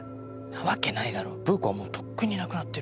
なわけないだろブー子はもうとっくに亡くなってる。